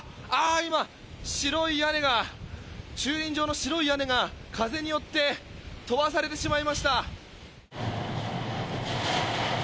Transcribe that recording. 今、駐輪場の白い屋根が風によって飛ばされてしまいました。